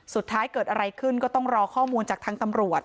สุดท้ายเกิดอะไรขึ้นก็ต้องรอข้อมูลจากทางตำรวจ